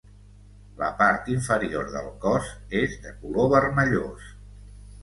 La part inferior del cos és de color vermellós.